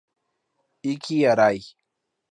Ikki Arai